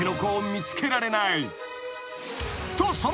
［と］